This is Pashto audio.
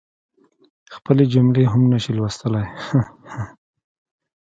خپلي جملی هم نشي لوستلی هههه